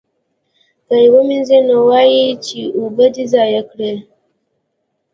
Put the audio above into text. که یې ومینځي نو وایي یې چې اوبه دې ضایع کړې.